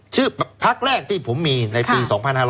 พักแรกที่ผมมีในปี๒๕๖๐